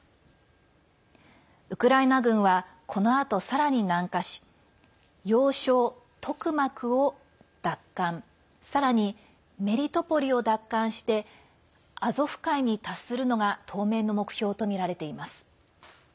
ウクライナ軍はこのあと、さらに南下し要衝トクマクを奪還さらにメリトポリを奪還してアゾフ海に達するのが当面の目標とみられています。